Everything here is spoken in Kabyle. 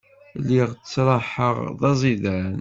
Lliɣ ttraḥeɣ d aẓidan.